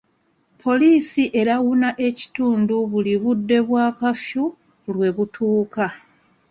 Poliisi erawuna ekitundu buli budde bwa kafyu lwe butuuka.